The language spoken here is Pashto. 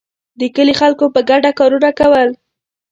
د کلي خلکو په ګډه کارونه کول.